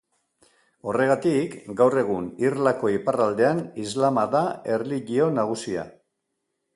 Horregatik, gaur egun irlako iparraldean islama da erlijio nagusia.